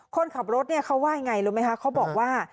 คนขับรถเนี่ยเขาว่ายังไงรู้ไหมคะเขาบอกว่า